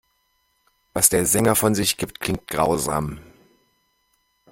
Was der Sänger von sich gibt, klingt grausam.